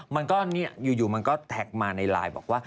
มันก็อยู่มันก็แท็กมาในไลน์บอกว่า